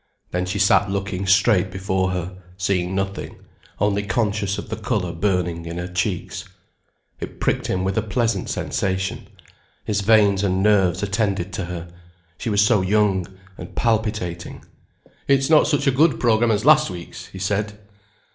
Then she sat looking straight before her, seeing nothing, only conscious of the colour burning in her cheeks. It pricked him with a pleasant sensation. His veins and his nerves attended to her, she was so young and palpitating. "It's not such a good programme as last week's," he said.